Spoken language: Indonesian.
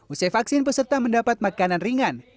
usai vaksin peserta mendapat makanan ringan